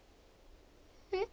えっ。